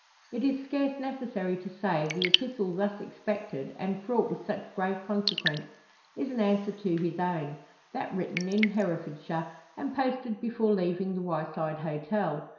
It is scarce necessary to say, the epistle thus expected, and fraught with such grave consequence, is an answer to his own; that written in Herefordshire, and posted before leaving the Wyeside Hotel.